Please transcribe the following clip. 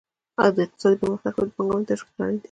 د اقتصادي پرمختګ لپاره د پانګونې تشویق اړین دی.